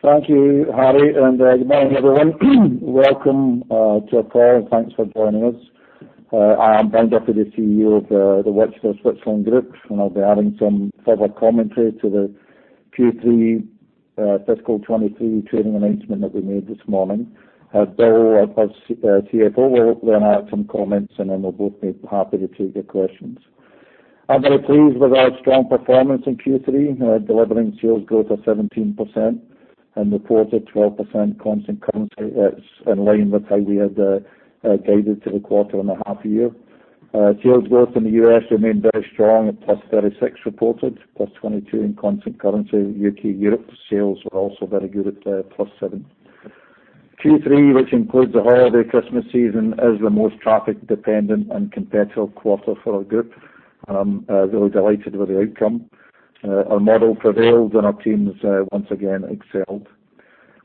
Thank you, Harry, and good morning, everyone. Welcome to our call, and thanks for joining us. I am Brian Duffy, the CEO of the Watches of Switzerland Group, and I'll be adding some further commentary to the Q3, fiscal 2023 trading announcement that we made this morning. Bill, our CFO will then add some comments, and then we'll both be happy to take your questions. I'm very pleased with our strong performance in Q3, delivering sales growth of 17% and reported 12% constant currency. That's in line with how we had guided to the quarter and the half year. Sales growth in the U.S. remained very strong at +36% reported, +22% in constant currency. U.K., Europe sales were also very good at +7%. Q3, which includes the holiday Christmas season, is the most traffic dependent and competitive quarter for our group. I'm really delighted with the outcome. Our model prevailed, and our teams once again excelled.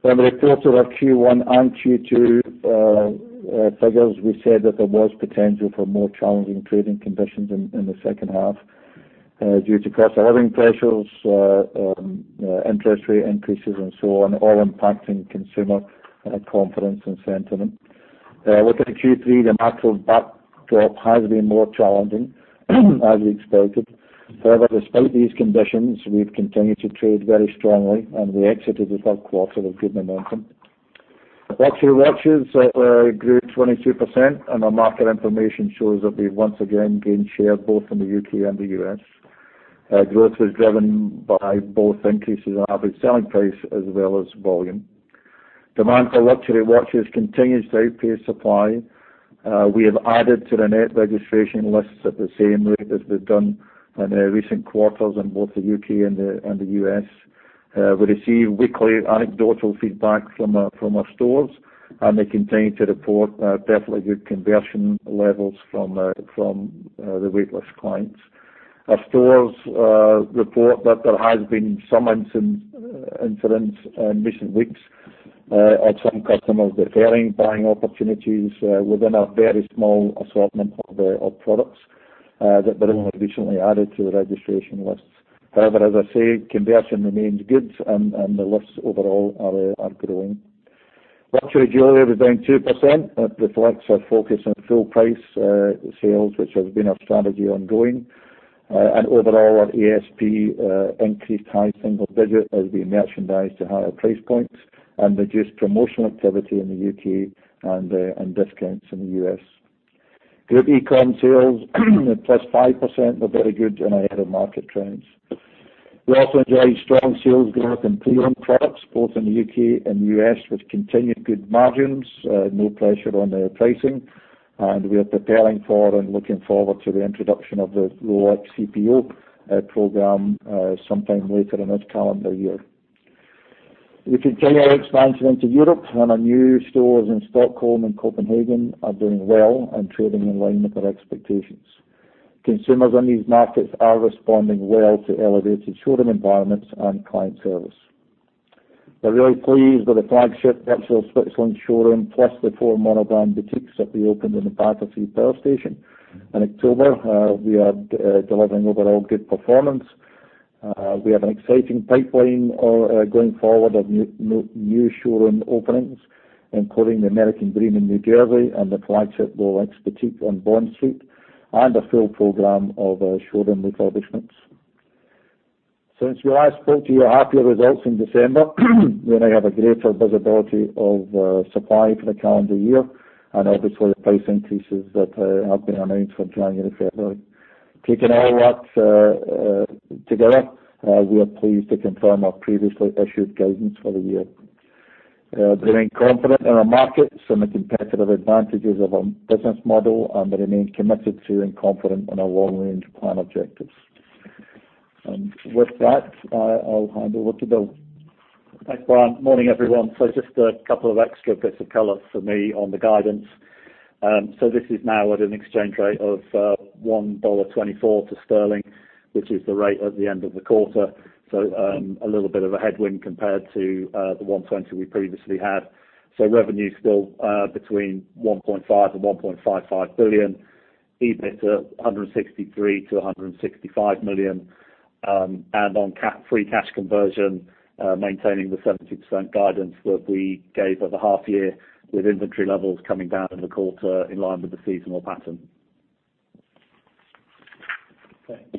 When we reported our Q1 and Q2 figures, we said that there was potential for more challenging trading conditions in the second half due to cost of living pressures, interest rate increases and so on, all impacting consumer confidence and sentiment. Looking at Q3, the macro backdrop has been more challenging as we expected. However, despite these conditions, we've continued to trade very strongly, and we exited the third quarter with good momentum. Luxury watches grew 22%, and our market information shows that we've once again gained share both in the U.K. and the U.S. Growth was driven by both increases in average selling price as well as volume. Demand for luxury watches continues to outpace supply. We have added to the net registration lists at the same rate as we've done in recent quarters in both the U.K. and the U.S. We receive weekly anecdotal feedback from our stores, and they continue to report definitely good conversion levels from the wait list clients. Our stores report that there has been some incidence in recent weeks of some customers deferring buying opportunities within a very small assortment of products that they have recently added to the registration lists. However, as I say, conversion remains good and the lists overall are growing. Luxury jewelry was down 2%. That reflects our focus on full price sales, which has been our strategy ongoing. Overall, our ASP increased high single digit as we merchandise to higher price points and reduced promotional activity in the U.K. and discounts in the U.S. Group eCom sales at +5% were very good and ahead of market trends. We also enjoyed strong sales growth in pre-owned products, both in the U.K. and U.S., with continued good margins, no pressure on pricing. We are preparing for and looking forward to the introduction of the Rolex CPO program sometime later in this calendar year. We continue our expansion into Europe, our new stores in Stockholm and Copenhagen are doing well and trading in line with our expectations. Consumers in these markets are responding well to elevated showroom environments and client service. We're really pleased with the flagship Watches of Switzerland showroom, plus the four monobrand boutiques that we opened in the Battersea Power Station. In October, we are delivering overall good performance. We have an exciting pipeline going forward of new showroom openings, including the American Dream in New Jersey and the flagship Rolex boutique on Bond Street, and a full program of showroom refurbishments. Since we last spoke to you about the results in December, we now have a greater visibility of supply for the calendar year and obviously the price increases that have been announced for January, February. Taking all that together, we are pleased to confirm our previously issued guidance for the year. Remain confident in our markets and the competitive advantages of our business model and remain committed to and confident in our long-range plan objectives. With that, I'll hand over to Bill. Thanks, Brian. Morning, everyone. Just a couple of extra bits of color from me on the guidance. This is now at an exchange rate of $1.24 to sterling, which is the rate at the end of the quarter. A little bit of a headwind compared to the $1.20 we previously had. Revenue still between 1.5 billion-1.55 billion, EBITA 163 million-165 million, and on free cash conversion, maintaining the 70% guidance that we gave at the half year with inventory levels coming down in the quarter in line with the seasonal pattern.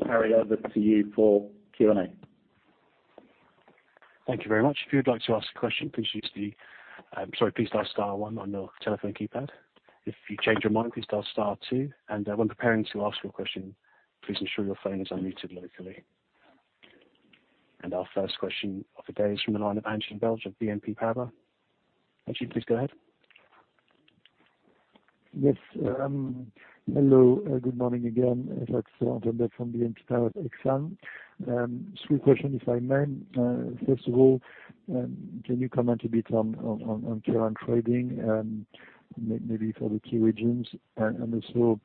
Harry, over to you for Q&A. Thank you very much. If you would like to ask a question, please use the, sorry, please dial star one on your telephone keypad. If you change your mind, please dial star two. When preparing to ask your question, please ensure your phone is unmuted locally. Our first question of the day is from the line of Antoine Belge, BNP Paribas. Antoine, please go ahead. Yes. Hello. Good morning again. It's Antoine Belge, BNP Paribas, Exane. Three question, if I may. First of all, can you comment a bit on current trading and maybe for the key regions? Also,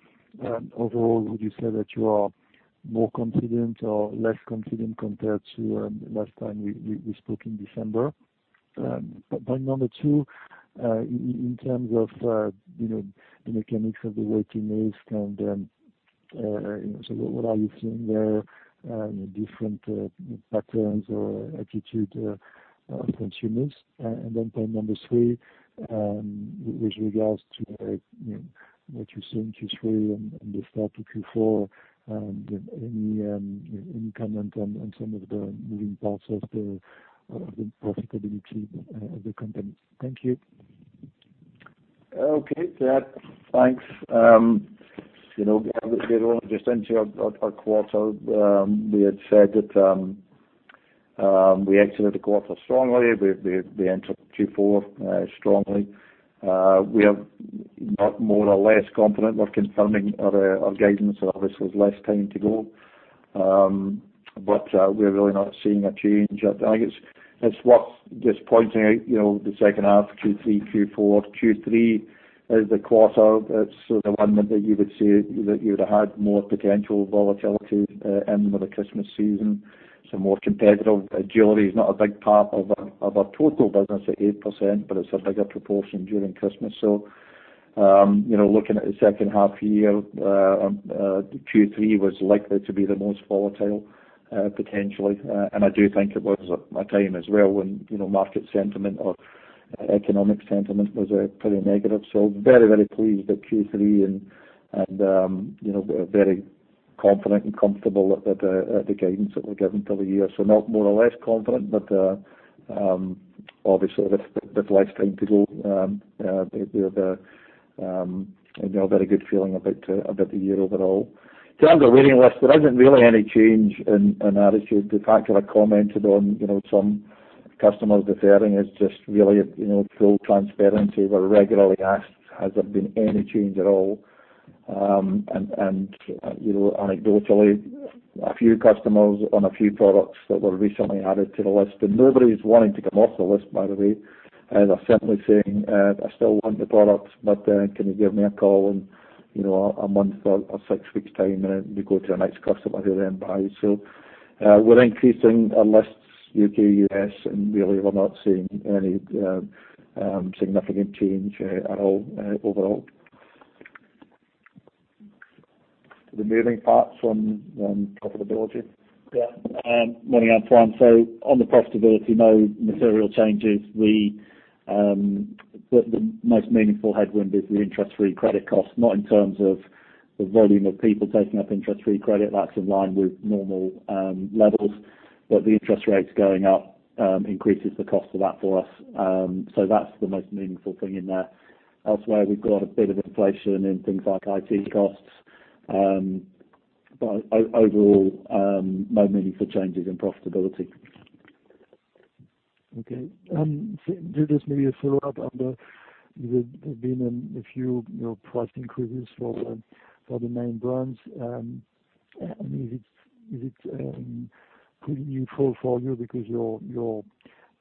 overall, would you say that you are more confident or less confident compared to last time we spoke in December? Point number two, in terms of, you know, the mechanics of the waiting list and, you know, what are you seeing there, you know, different patterns or attitude of consumers. Point number three, with regards to, you know, what you see in Q3 and the start of Q4, and any comment on some of the moving parts of the profitability of the company. Thank you. Okay. Yeah, thanks. You know, we are only just into our quarter. We had said that we exited the quarter strongly. We entered Q4 strongly. We are not more or less confident. We're confirming our guidance. There obviously is less time to go. We're really not seeing a change. I guess it's worth just pointing out, you know, the second half, Q3, Q4. Q3 is the quarter that's sort of one that you would see that you would have had more potential volatility in with the Christmas season. It's more competitive. Jewelry is not a big part of our total business at 8%, but it's a bigger proportion during Christmas. You know, looking at the second half year, Q3 was likely to be the most volatile, potentially. I do think it was at a time as well when, you know, market sentiment or economic sentiment was pretty negative. Very, very pleased at Q3 and, you know, we're very confident and comfortable at the guidance that we've given for the year. Not more or less confident, but, obviously with less time to go, we have, you know, a very good feeling about the year overall. In terms of waiting list, there isn't really any change in attitude. The fact that I commented on, you know, some customers deferring is just really, you know, full transparency. We're regularly asked, has there been any change at all? You know, anecdotally, a few customers on a few products that were recently added to the list. Nobody's wanting to come off the list, by the way. They're simply saying, "I still want the product, but, can you give me a call in, you know, a month or six weeks' time?" We go to the next customer who then buys. We're increasing our lists, U.K., U.S.. Really we're not seeing any significant change at all overall. The moving parts on profitability. Morning, Antoine. On the profitability, no material changes. The most meaningful headwind is the interest-free credit cost, not in terms of the volume of people taking up interest-free credit. That's in line with normal levels. The interest rates going up increases the cost of that for us. That's the most meaningful thing in there. Elsewhere, we've got a bit of inflation in things like IT costs. Overall, no meaningful changes in profitability. Okay. Just maybe a follow-up on the there's been a few, you know, price increases for the main brands. I mean, is it pretty neutral for you because your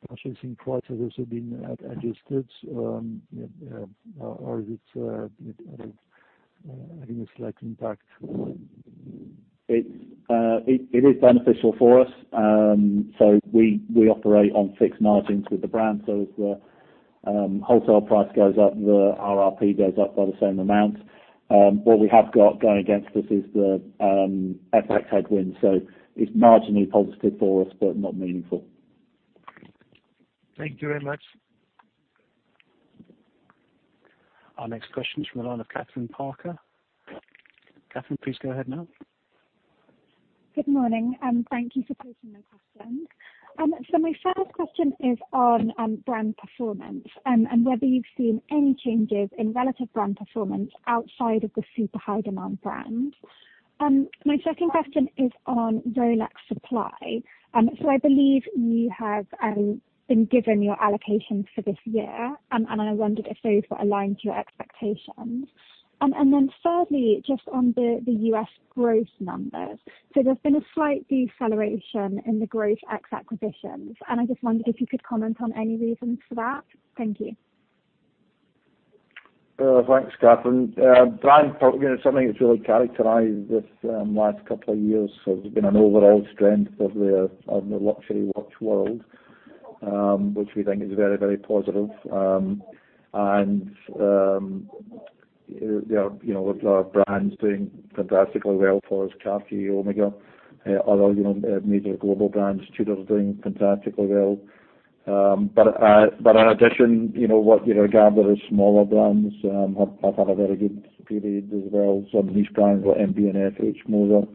purchasing price has also been adjusted? Is it, you know, having a slight impact? It's, it is beneficial for us. We operate on fixed margins with the brands. As the wholesale price goes up, the RRP goes up by the same amount. What we have got going against us is the FX headwind. It's marginally positive for us, but not meaningful. Thank you very much. Our next question is from the line of Kathryn Parker. Kathryn, please go ahead now. Good morning, and thank you for taking my questions. My first question is on brand performance and whether you've seen any changes in relative brand performance outside of the super high demand brands. My second question is on Rolex supply. I believe you have been given your allocations for this year. And I wondered if those were aligned to your expectations. And then thirdly, just on the U.S. growth numbers. There's been a slight deceleration in the growth ex acquisitions, and I just wondered if you could comment on any reasons for that. Thank you. Thanks, Kathryn. Brand performance, something that's really characterized this last couple of years. There's been an overall strength of the luxury watch world, which we think is very, very positive. There are, you know, a lot of brands doing fantastically well for us, Cartier, OMEGA, other, you know, major global brands, TUDOR's doing fantastically well. In addition, you know, what you'd gather is smaller brands have had a very good period as well. Some niche brands like MB&F, H. Moser,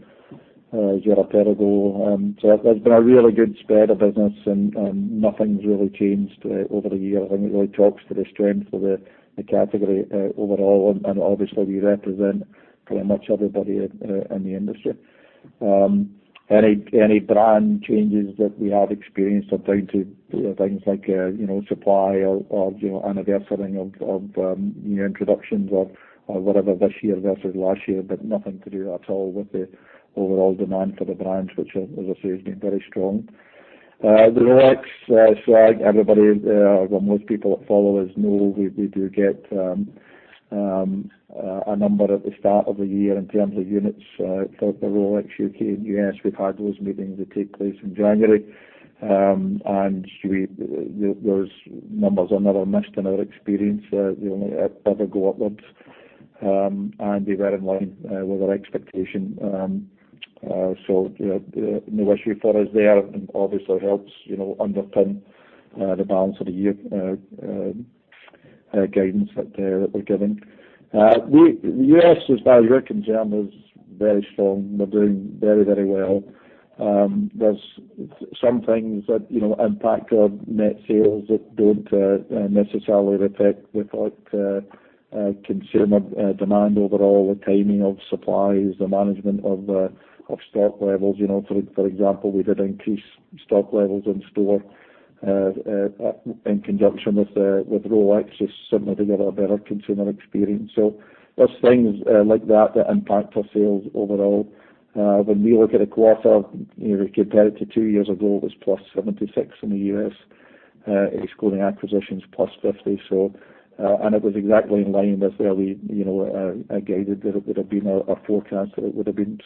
Girard-Perregaux. There's been a really good spread of business and nothing's really changed over the year. I think it really talks to the strength of the category overall. Obviously we represent pretty much everybody in the industry. Any, any brand changes that we have experienced are down to, you know, things like, you know, supply or, you know, anniversarying of, new introductions or whatever this year versus last year. Nothing to do at all with the overall demand for the brands which are, as I say, has been very strong. The Rolex, so I, everybody, or most people that follow us know we do get a number at the start of the year in terms of units, for the Rolex U.K. and U.S., we've had those meetings that take place in January. Those numbers are never missed in our experience, you know, ever go upwards. They were in line with our expectation. You know, no issue for us there and obviously helps, you know, underpin the balance of the year guidance that we're giving. U.S., as far as we’re concerned, was very strong. We're doing very well. There's some things that, you know, impact our net sales that don't necessarily reflect consumer demand overall, the timing of supplies, the management of stock levels. You know, for example, we did increase stock levels in store in conjunction with Rolex just simply to get a better consumer experience. There's things like that that impact our sales overall. When we look at a quarter, you know, compared to two years ago, it was +76% in the U.S., excluding acquisitions +50%. It was exactly in line with where we, you know, guided that it would have been our forecast that it would have been.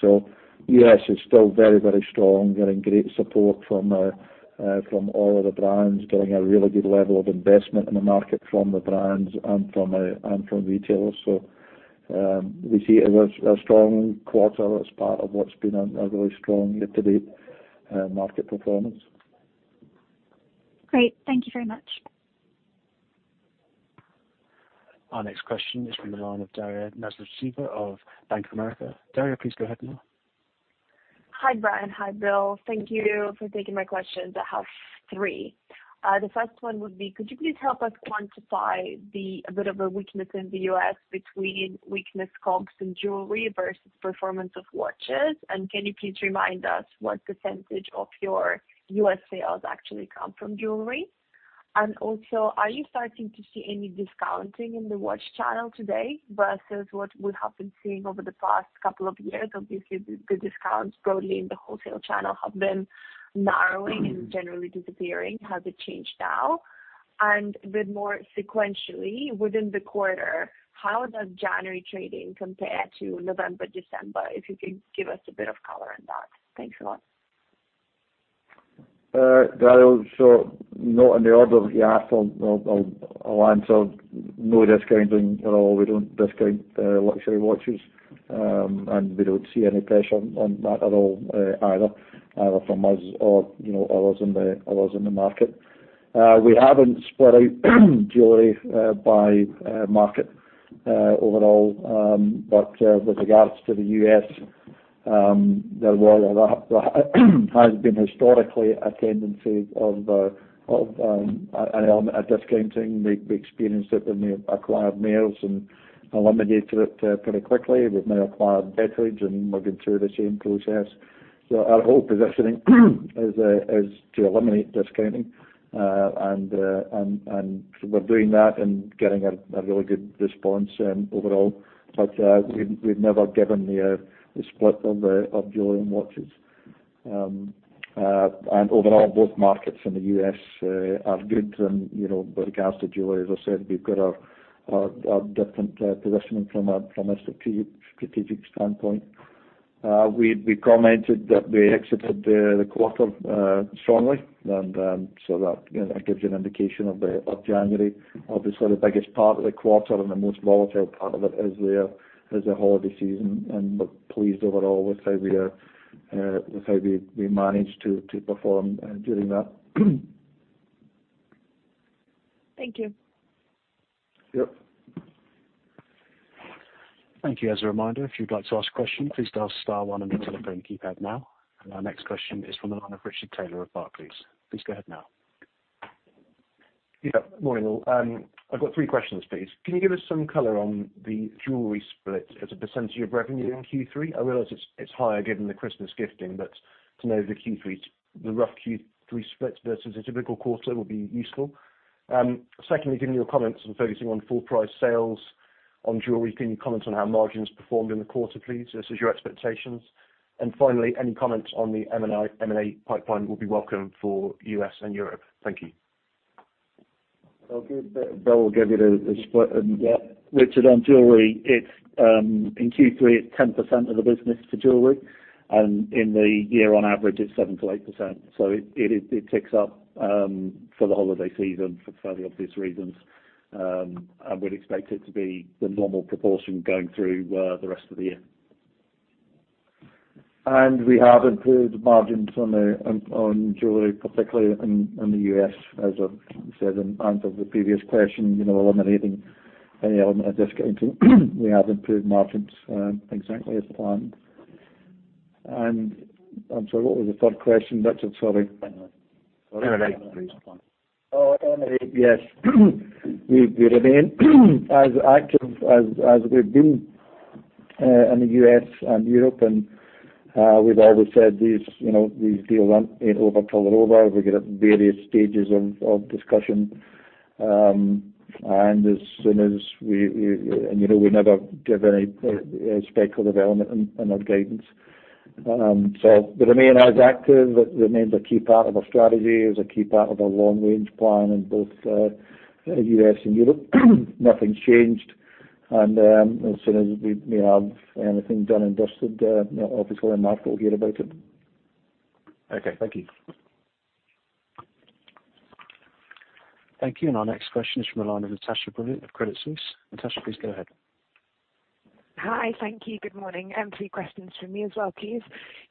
U.S. is still very, very strong, getting great support from all of the brands, getting a really good level of investment in the market from the brands and from retailers. We see it was a strong quarter as part of what's been a really strong year-to-date market performance. Great. Thank you very much. Our next question is from the line of Daria Nasledysheva of Bank of America. Daria, please go ahead now. Hi, Brian. Hi, Bill. Thank you for taking my questions. I have three. The first one would be could you please help us quantify the, a bit of a weakness in the U.S. between weakness comps in jewelry versus performance of watches? Can you please remind us what percentage of your U.S. sales actually come from jewelry? Also, are you starting to see any discounting in the watch channel today versus what we have been seeing over the past couple of years? Obviously, the discounts broadly in the wholesale channel have been narrowing and generally disappearing. Has it changed now? A bit more sequentially, within the quarter, how does January trading compare to November, December? If you could give us a bit of color on that. Thanks a lot. Daria, not in the order that you asked, I'll answer. No discounting at all. We don't discount luxury watches, and we don't see any pressure on that at all, either from us or, you know, others in the market. We haven't split out jewelry by market overall. With regards to the U.S., there was that has been historically a tendency of an element of discounting. We experienced it when we acquired Mayors and eliminated it pretty quickly. We've now acquired Betteridge, and we're going through the same process. Our whole positioning is to eliminate discounting. We're doing that and getting a really good response overall. We've never given the split of jewelry and watches. Overall, both markets in the U.S. are good. You know, with regards to jewelry, as I said, we've got a different positioning from a strategic standpoint. We commented that we exited the quarter strongly. So that, you know, that gives you an indication of January. Obviously, the biggest part of the quarter and the most volatile part of it is the holiday season. We're pleased overall with how we managed to perform during that. Thank you. Yep. Thank you. As a reminder, if you'd like to ask a question, please dial star one on your telephone keypad now. Our next question is from the line of Richard Taylor of Barclays. Please go ahead now. Yeah. Morning, all. I've got three questions, please. Can you give us some color on the jewelry split as a percentage of revenue in Q3? I realize it's higher given the Christmas gifting, but to know the Q3, the rough Q3 split versus a typical quarter would be useful. Secondly, given your comments on focusing on full price sales on jewelry, can you comment on how margins performed in the quarter, please, versus your expectations? Finally, any comments on the M&A pipeline will be welcome for US and Europe. Thank you. Bill will give you the split. Yeah. Richard, on jewelry, it's in Q3, it's 10% of the business to jewelry. In the year on average, it's 7%-8%. It ticks up for the holiday season for fairly obvious reasons. We'd expect it to be the normal proportion going through the rest of the year. We have improved margins on jewelry, particularly in the U.S., as I said in answer to the previous question. You know, eliminating any element of discounting, we have improved margins exactly as planned. I'm sorry, what was the third question, Richard? Sorry. M&A, please. Oh, M&A. Yes. We remain as active as we've been in the U.S. and Europe. We've always said these, you know, these deals aren't, you know, over till they're over. We get at various stages of discussion. You know, we never give any speculative element in our guidance. So we remain as active. It remains a key part of our strategy. It's a key part of our long range plan in both U.S. and Europe. Nothing's changed. As soon as we have anything done and dusted, you know, obviously, the market will hear about it. Okay. Thank you. Thank you. Our next question is from the line of Natasha Brilliant of Credit Suisse. Natasha, please go ahead. Hi. Thank you. Good morning. Three questions from me as well, please.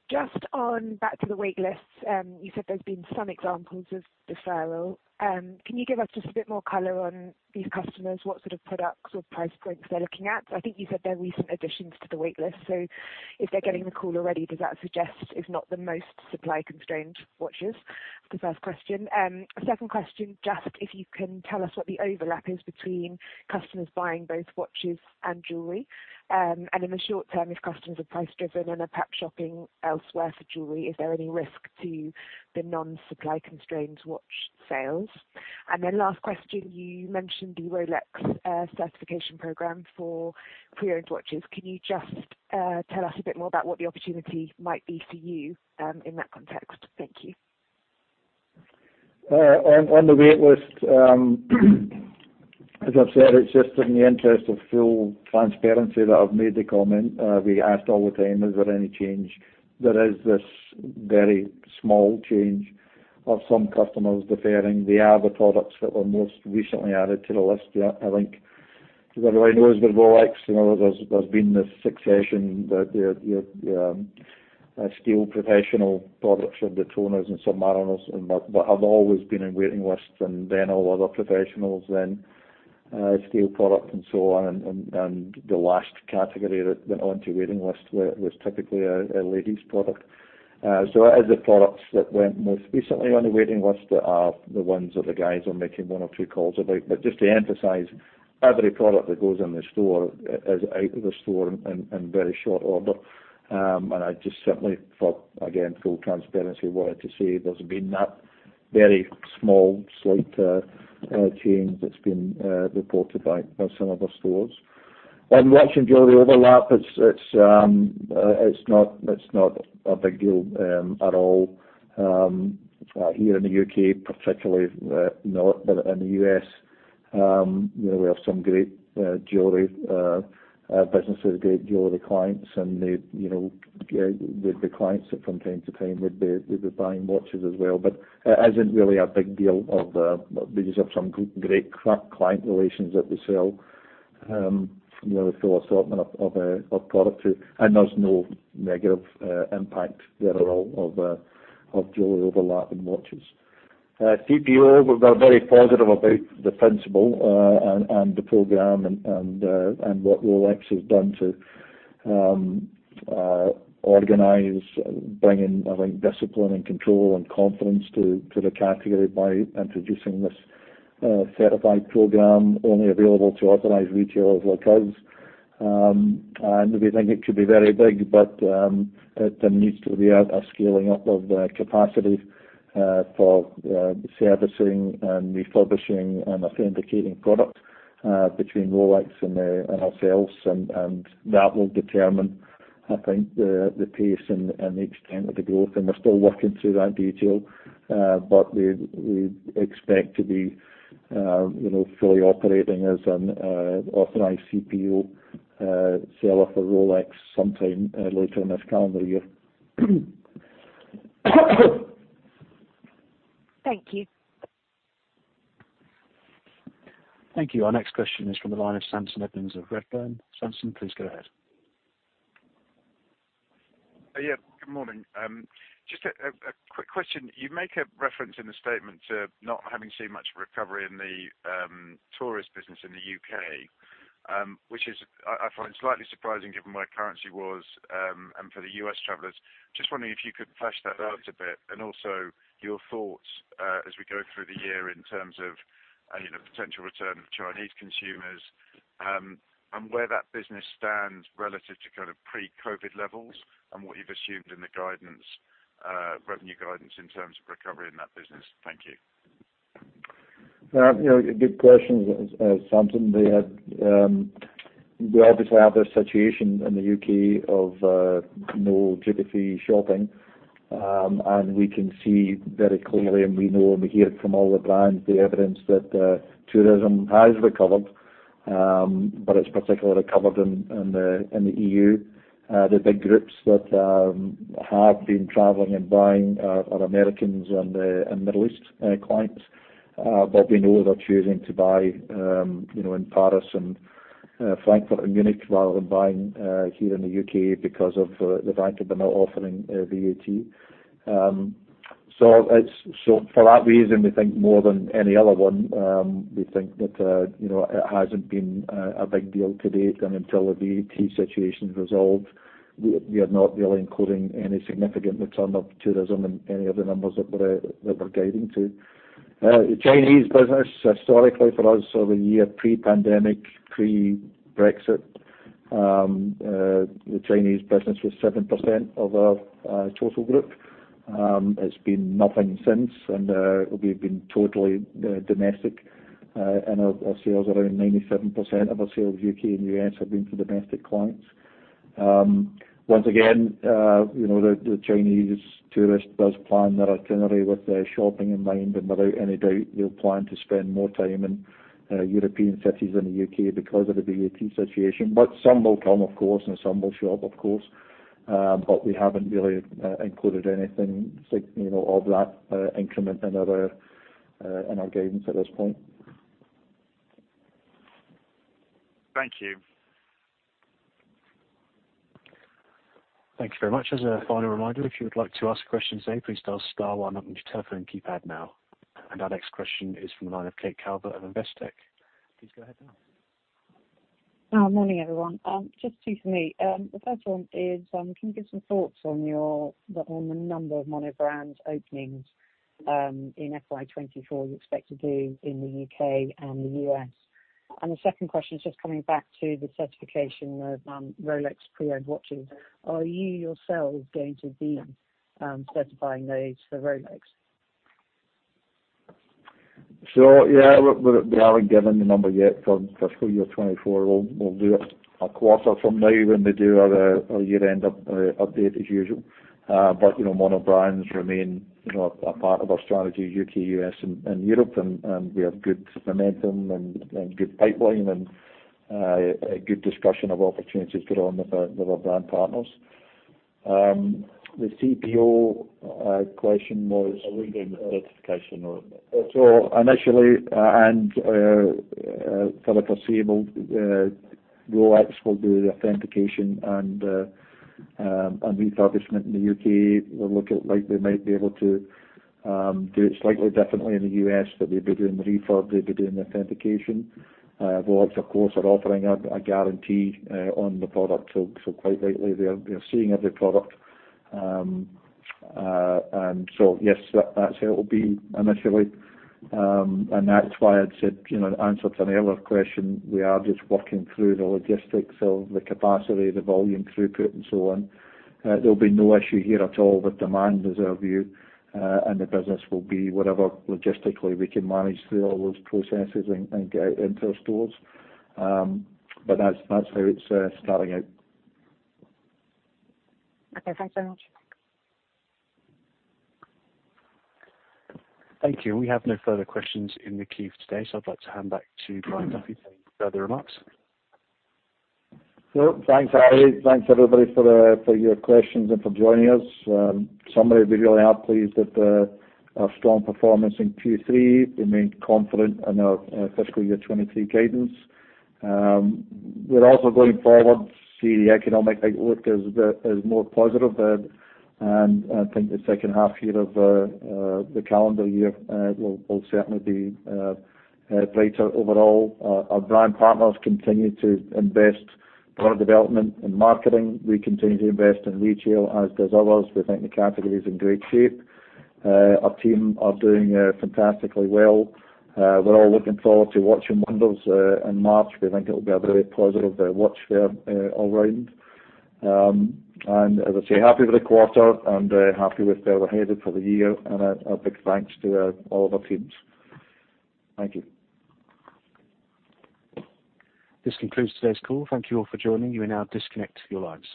Just on back to the wait lists, you said there's been some examples of deferral. Can you give us just a bit more color on these customers? What sort of products or price points they're looking at? I think you said there are recent additions to the wait list, so if they're getting the call already, does that suggest it's not the most supply constrained watches? The first question. Second question, just if you can tell us what the overlap is between customers buying both watches and jewelry. In the short term, if customers are price driven and are perhaps shopping elsewhere for jewelry, is there any risk to the non-supply constrained watch sales? Last question, you mentioned the Rolex certification program for pre-owned watches. Can you just tell us a bit more about what the opportunity might be for you, in that context? Thank you. On the wait list, as I've said, it's just in the interest of full transparency that I've made the comment. We get asked all the time, is there any change? There is this very small change of some customers deferring. They are the products that were most recently added to the list. I think everybody knows with Rolex, you know, there's been this succession that the steel Professional products or Daytonas and Submariners and that have always been on waiting lists and then all other Professionals then, steel product and so on. The last category that went onto waiting lists was typically a ladies product. As the products that went most recently on the waiting list are the ones that the guys are making one or two calls about. Just to emphasize, every product that goes in the store is out of the store in very short order. I just certainly for, again, full transparency, wanted to say there's been that very small, slight change that's been reported by some of our stores. On watch and jewelry overlap, it's not a big deal at all. Here in the U.K. particularly, not, in the U.S., you know, we have some great jewelry businesses, great jewelry clients, and they, you know, the clients from time to time would be buying watches as well. It isn't really a big deal of, we just have some great client relations that we sell, you know, the full assortment of products. There's no negative impact there at all of jewelry overlap in watches. CPO, we're very positive about the principle and the program and what Rolex has done to organize, bring in, I think, discipline and control and confidence to the category by introducing this certified program only available to authorized retailers like us. We think it could be very big, but there needs to be a scaling up of the capacity for servicing and refurbishing and authenticating product between Rolex and ourselves. That will determine, I think, the pace and the extent of the growth. We're still working through that detail. We expect to be, you know, fully operating as an authorized CPO seller for Rolex sometime later in this calendar year. Thank you. Thank you. Our next question is from the line of Samson Edmunds of Redburn. Samson, please go ahead. Yeah, good morning. Just a quick question. You make a reference in the statement to not having seen much recovery in the tourist business in the U.K., which is, I find slightly surprising given where currency was, and for the U.S. travelers. Just wondering if you could flesh that out a bit and also your thoughts as we go through the year in terms of, you know, potential return of Chinese consumers, and where that business stands relative to kind of pre-COVID levels and what you've assumed in the guidance, revenue guidance in terms of recovery in that business. Thank you. You know, a good question, Samson. We obviously have a situation in the U.K. of no duty free shopping. We can see very clearly, and we know and we hear it from all the brands, the evidence that tourism has recovered, but it's particularly recovered in the EU. The big groups that have been traveling and buying are Americans and Middle East clients. We know they're choosing to buy, you know, in Paris and Frankfurt and Munich rather than buying here in the U.K. because of the fact that we're not offering VAT. For that reason, we think more than any other one, we think that, you know, it hasn't been a big deal to date. Until the VAT situation's resolved, we are not really including any significant return of tourism in any of the numbers that we're guiding to. The Chinese business historically for us over a year pre-pandemic, pre-Brexit, the Chinese business was 7% of our total group. It's been nothing since, and we've been totally domestic in our sales. Around 97% of our sales, U.K. and U.S., have been for domestic clients. Once again, you know, the Chinese tourist does plan their itinerary with their shopping in mind, and without any doubt, they'll plan to spend more time in European cities than the U.K. because of the VAT situation. Some will come, of course, and some will shop, of course. But we haven't really included anything. You know, of that, increment in our, in our guidance at this point. Thank you. Thank you very much. As a final reminder, if you would like to ask questions today, please dial star one on your telephone keypad now. Our next question is from the line of Kate Calvert of Investec. Please go ahead now. Morning, everyone. Just two from me. The first one is, can you give some thoughts on the number of monobrand openings in FY 2024 you expect to do in the U.K. and the U.S.? The second question is just coming back to the certification of Rolex pre-owned watches. Are you yourselves going to be, certifying those for Rolex? Yeah. We haven't given the number yet for fiscal year 2024. We'll do it a quarter from now when we do our year-end update as usual. You know, monobrands remain, you know, a part of our strategy, U.K., U.S., and Europe, and we have good momentum and good pipeline and a good discussion of opportunities going on with our brand partners. The CPO question was. Are we doing the certification or? Initially, and for the foreseeable, Rolex will do the authentication and refurbishment in the U.K. We'll look at like they might be able to do it slightly differently in the U.S., but they'd be doing the refurb, they'd be doing the authentication. Watch, of course, are offering a guarantee on the product. So, so quite rightly they're seeing every product. Yes, that's how it will be initially. That's why I'd said, you know, in answer to an earlier question, we are just working through the logistics of the capacity, the volume throughput and so on. There'll be no issue here at all with demand is our view, and the business will be whatever logistically we can manage through all those processes and get out into our stores. That's how it's starting out. Okay, thanks so much. Thank you. We have no further questions in the queue today, so I'd like to hand back to Brian Duffy for any further remarks. Thanks, Harry. Thanks, everybody, for for your questions and for joining us. Summary, we really are pleased with our strong performance in Q3. Remain confident in our fiscal year 2023 guidance. We're also going forward, see the economic outlook as more positive. I think the second half year of the calendar year will certainly be greater overall. Our brand partners continue to invest product development and marketing. We continue to invest in retail as does others. We think the category is in great shape. Our team are doing fantastically well. We're all looking forward to Watches and Wonders in March. We think it'll be a very positive watch fair all round. As I say, happy with the quarter and happy with where we're headed for the year. A big thanks to all of our teams. Thank you. This concludes today's call. Thank you all for joining. You may now disconnect your lines.